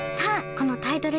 このタイトル